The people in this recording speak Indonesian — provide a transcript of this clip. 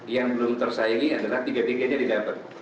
yang belum tersayangi adalah tiga tiga dari bapet